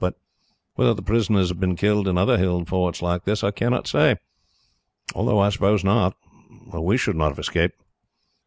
But whether the prisoners have been killed in other hill forts like this, I cannot say, although I suppose not, or we should not have escaped."